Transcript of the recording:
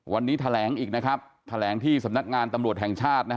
วันนี้แถลงอีกนะครับแถลงที่สำนักงานตำรวจแห่งชาตินะฮะ